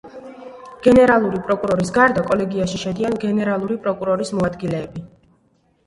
გენერალური პროკურორის გარდა, კოლეგიაში შედიან გენერალური პროკურორის მოადგილეები.